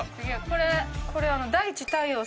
これ。